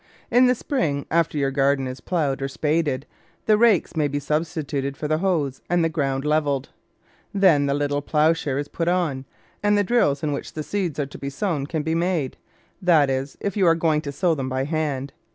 In the spring, after your garden is ploughed or spaded, the rakes may be substituted for the hoes and the ground levelled. Then the little plough share is put on, and the drills in which the seeds are to be sown can be made — that is, if you are going to sow them by hand.